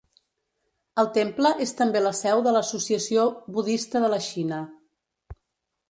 El temple és també la seu de l'Associació Budista de la Xina.